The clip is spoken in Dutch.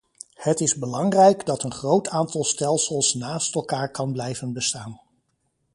Het is belangrijk dat een groot aantal stelsels naast elkaar kan blijven bestaan.